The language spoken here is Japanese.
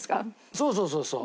そうそうそうそう。